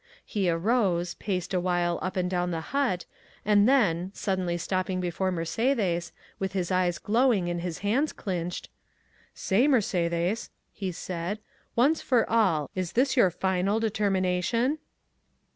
He arose, paced a while up and down the hut, and then, suddenly stopping before Mercédès, with his eyes glowing and his hands clenched,—"Say, Mercédès," he said, "once for all, is this your final determination?"